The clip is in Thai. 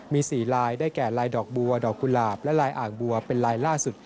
มี๔ลายได้แก่ลายดอกบัวดอกกุหลาบและลายอ่างบัวเป็นลายล่าสุด